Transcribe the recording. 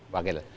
wakil ketua ya